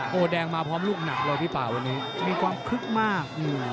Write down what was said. โหแดงมาพร้อมรูปหนักรอบหลี่ป่าวันนี้มีความคึกมาก